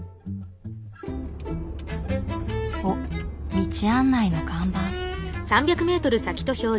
おっ道案内の看板。